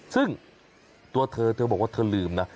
ซึ่งตัวเธอเธอบอกว่าเธอลืมนะ